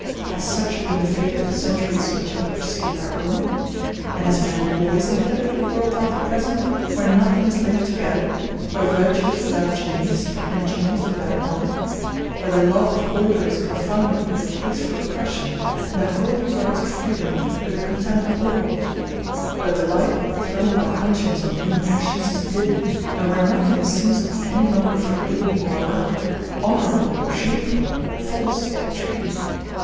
Has such been the fate of the centuries which have preceded our own? and has man always inhabited a world like the present, where nothing is linked together, where virtue is without genius, and genius without honor; where the love of order is confounded with a taste for oppression, and the holy rites of freedom with a contempt of law; where the light thrown by conscience on human actions is dim, and where nothing seems to be any longer forbidden or allowed, honorable or shameful, false or true?